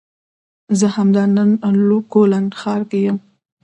زه همدا نن کولن ښار کې یم